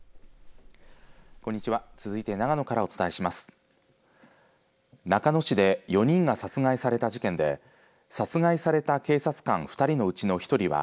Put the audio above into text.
こんにちは。